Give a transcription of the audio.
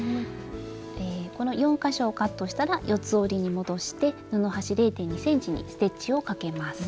この４か所をカットしたら四つ折りに戻して布端０．２ｃｍにステッチをかけます。